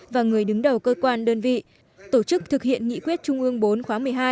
và người đứng đầu cơ quan đơn vị tổ chức thực hiện nghị quyết trung ương bốn khóa một mươi hai